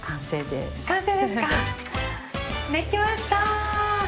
できました。